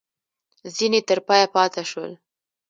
ځیني تر پایه پاته شول.